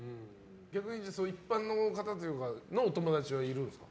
逆に、一般の方というかお友達はいるんですか？